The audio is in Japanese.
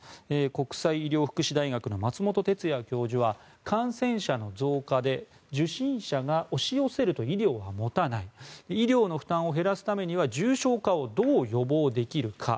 国際医療福祉大学の松本哲哉教授は感染者の増加で受診者が押し寄せると医療が持たない医療の負担を減らすためには重症化をどう予防できるか。